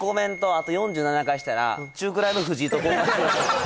あと４７回したら中くらいの藤井と交換します